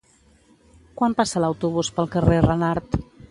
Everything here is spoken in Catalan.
Quan passa l'autobús pel carrer Renart?